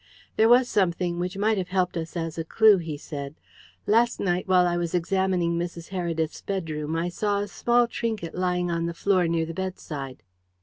"There was something which might have helped us as a clue," he said. "Last night, while I was examining Mrs. Heredith's bedroom, I saw a small trinket lying on the floor near the bedside."